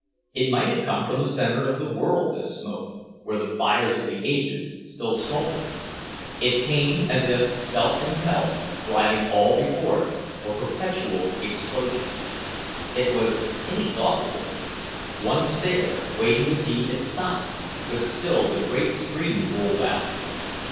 It might have come from the center of the world, this smoke, where the fires of the ages still smolder. It came as if self impelled, driving all before it, a perpetual explosion. It was inexhaustible; one stared, waiting to see it stop, but still the great streams rolled out.